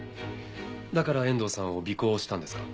だから遠藤さんを尾行したんですか？